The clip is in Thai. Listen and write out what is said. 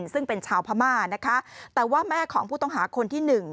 ซึ่งเป็นชาวพม่านะคะแต่ว่าแม่ของผู้ต้องหาคนที่๑